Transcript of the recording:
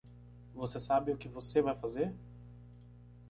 Você sabe o que você vai fazer?